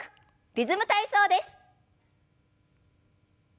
「リズム体操」です。